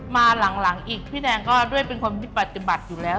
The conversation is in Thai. มาหลังอีกพี่แดงก็ด้วยเป็นคนที่ปฏิบัติอยู่แล้ว